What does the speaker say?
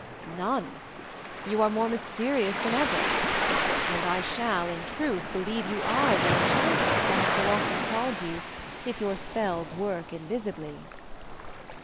"None. You are more mysterious than ever, and I shall, in truth, believe you are the enchantress I have so often called you if your spells work invisibly."